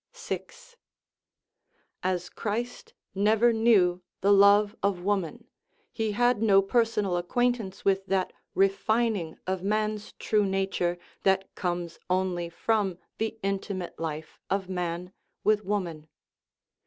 VI. As Christ never knew the love of woman, he had no personal acquaintance with that refining of man's true nature that comes only from the intimate life of man with woman.